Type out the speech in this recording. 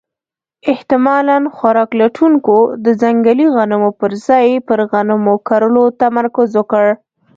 احتمالاً خوراک لټونکو د ځنګلي غنمو پر ځای پر غنمو کرلو تمرکز وکړ.